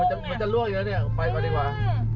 มันจะล่วงอยู่แล้วเนี่ยไปมาดีกว่า